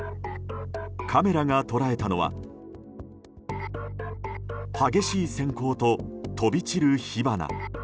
カメラが捉えたのは激しい閃光と飛び散る火花。